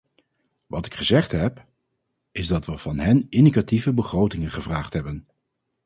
Wat ik gezegd heb, is dat we van hen indicatieve begrotingen gevraagd hebben.